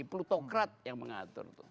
plutokrat yang mengatur